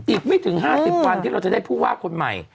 อีกไม่ถึง๕๐วันที่เราจะได้ผู้ว่าคนใหม่